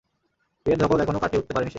বিয়ের ধকল এখনও কাটিয়ে উঠতে পারেনি সে!